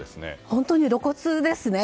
本当に露骨ですね。